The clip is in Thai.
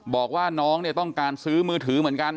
บอกว่าน้องเนี่ยต้องการซื้อมือถือเหมือนกัน